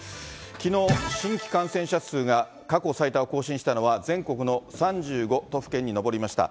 きのう、新規感染者数が過去最多を更新したのは、全国の３５都府県に上りました。